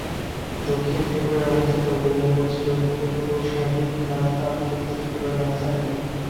দক্ষিণ ত্রিপুরায় অবস্থিত উদয়পুর ছিল ভূতপূর্ব স্বাধীন রাজতান্ত্রিক ত্রিপুরার রাজধানী।